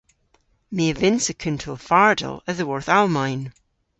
My a vynnsa kuntel fardel a-dhyworth Almayn.